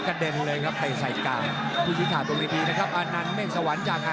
กระเด็นเลยนะครับแตะใส่ก้าว